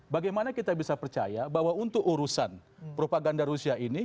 bagaimana kita bisa percaya bahwa untuk urusan propaganda rusia ini